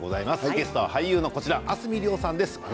ゲストは俳優の明日海りおさんです。